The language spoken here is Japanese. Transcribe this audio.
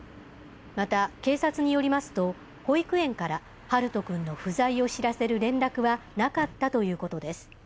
また、警察によりますと、保育園から陽翔くんの不在を知らせる連絡はなかったということです。